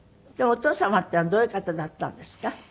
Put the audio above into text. でもお父様ってどういう方だったんですか？